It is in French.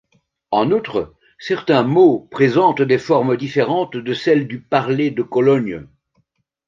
En outre, certains mots présentent des formes différentes de celles du parler de Cologne.